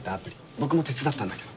僕も手伝ったんだけど。